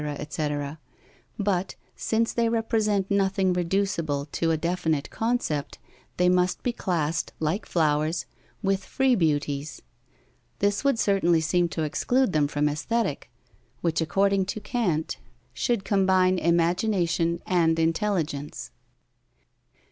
etc., but since they represent nothing reducible to a definite concept, they must be classed, like flowers, with free beauties. This would certainly seem to exclude them from Aesthetic, which, according to Kant, should combine imagination and intelligence.